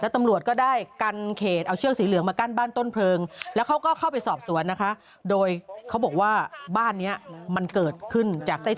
ถ้ามันนั่งหัวเราะแล้วกันนะ